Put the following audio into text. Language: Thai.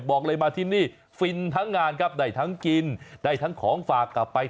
บอกเลยมาที่นี่ฟินทั้งงานครับได้ทั้งกินได้ทั้งของฝากกลับไป